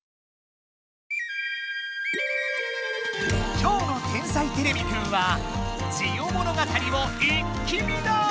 今日の「天才てれびくん」は「ジオ物語」を一気見だ！